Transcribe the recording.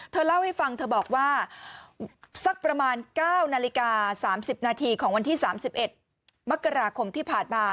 เธอเล่าให้ฟังเธอบอกว่าสักประมาณ๙นาฬิกา๓๐นาทีของวันที่๓๑มกราคมที่ผ่านมา